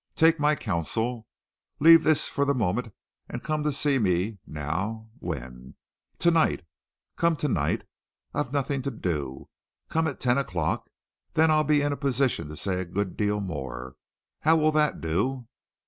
"Take my counsel. Leave this for the moment and come to see me now, when? Tonight. Come tonight. I've nothing to do. Come at ten o'clock. Then I'll be in a position to say a good deal more. How will that do?"